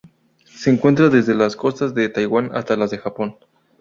Se encuentra desde las costas de Taiwán hasta las del Japón.